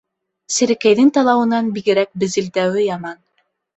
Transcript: Серәкәйҙең талауынан бигерәк безелдәүе яман.